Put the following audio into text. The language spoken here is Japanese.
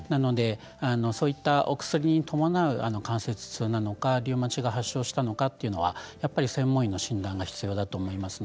そういった、お薬に伴う関節痛なのかリウマチが発症したのかということは専門医の診断が必要だと思います。